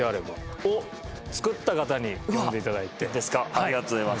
ありがとうございます。